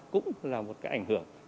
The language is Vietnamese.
cũng là một cái ảnh hưởng